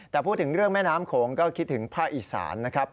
แต่พูดถึงเรื่องแม่น้ำโขงก็คิดถึงภาคอีสานนะครับ